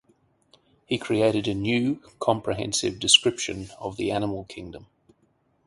He created a new, comprehensive description of the Animal Kingdom.